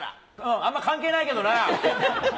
あんま関係ないけどな。